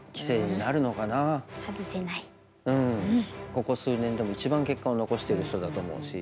ここ数年でも一番結果を残してる人だと思うし。